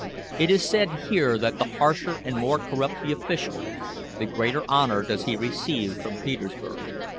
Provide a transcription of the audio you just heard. It is said here that the harsher and more corrupt the official, the greater honor does he receive from Petersburg.